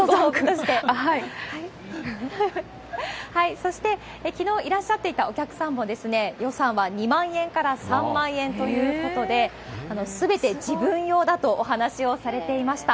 そして、きのういらっしゃっていたお客さんも、予算は２万円から３万円ということで、すべて自分用だとお話をされていました。